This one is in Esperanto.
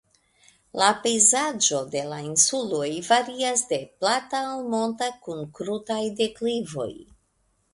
La pejzaĝo de la insuloj varias de plata al monta kun krutaj deklivoj.